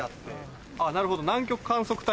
なるほど。